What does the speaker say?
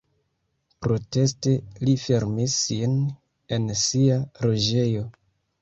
Proteste li fermis sin en sia loĝejo.